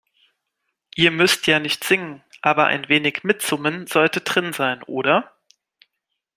Ihr müsst ja nicht singen, aber ein wenig Mitsummen sollte drin sein, oder?